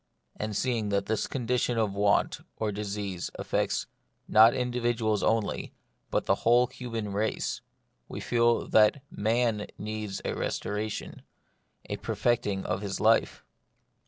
And seeing that this condition of want or disease affects not individuals only, but the whole human race, we feel that Man needs a restoration, a perfecting of his life.